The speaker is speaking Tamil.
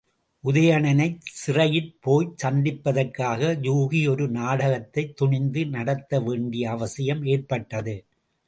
உதயணனைச் சிறையிற்போய்ச் சந்திப்பதற்காக யூகி ஒரு நாடகத்தைத் துணிந்து நடத்தவேண்டிய அவசியம் ஏற்பட்டது.